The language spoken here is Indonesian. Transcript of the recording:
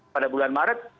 pada bulan maret